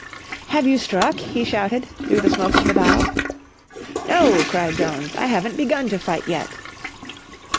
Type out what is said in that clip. "Have you struck?" he shouted, through the smoke of the battle. "No," cried Jones, "I haven't begun to fight yet."